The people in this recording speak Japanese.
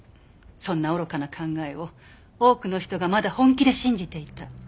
そんな愚かな考えを多くの人がまだ本気で信じていた。